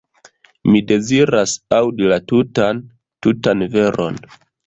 Mi deziras aŭdi la tutan, tutan veron.